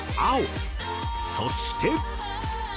そして。